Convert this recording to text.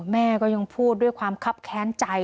แม่ก็ยังพูดด้วยความคับแค้นใจ